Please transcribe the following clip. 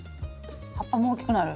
葉っぱも大きくなる？